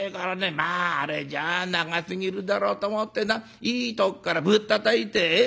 まああれじゃあ長すぎるだろうと思ってないいとこからぶったたいてほらほら